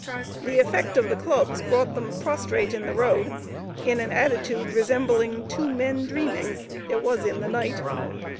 The effect of the clubs brought them prostrate in the road, in an attitude resembling two men dreaming, (it was in the night.)